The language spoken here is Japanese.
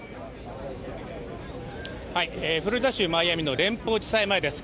フロリダ州マイアミの連邦地裁前です。